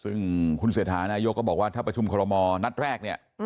ซึ่งคุณเศรษฐานายกก็บอกว่าถ้าประชุมคอลโมนัดแรกเนี่ย